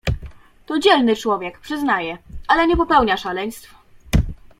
"To dzielny człowiek, przyznaję, ale nie popełnia szaleństw."